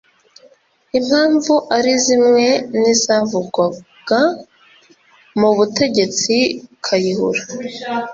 impamvu ari zimwe n’izavugwaga mu butegetsi kayihura